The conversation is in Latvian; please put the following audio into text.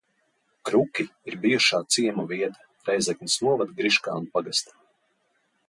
Kruki ir bijušā ciema vieta Rēzeknes novada Griškānu pagastā.